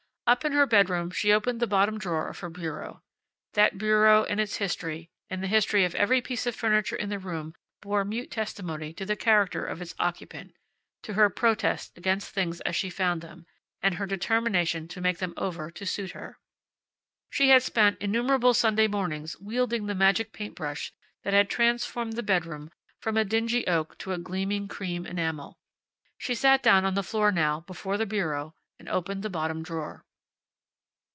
Up in her bedroom she opened the bottom drawer of her bureau. That bureau and its history and the history of every piece of furniture in the room bore mute testimony to the character of its occupant; to her protest against things as she found them, and her determination to make them over to suit her. She had spent innumerable Sunday mornings wielding the magic paint brush that had transformed the bedroom from dingy oak to gleaming cream enamel. She sat down on the floor now, before the bureau, and opened the bottom drawer.